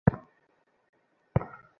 সাধারণত যুক্তিবাদী মানুষরা আবেগবর্জিত হন।